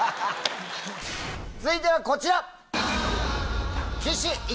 続いてはこちら！